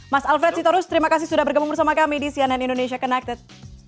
mas alfred sitorus terima kasih sudah bergabung bersama kami di cnn indonesia connected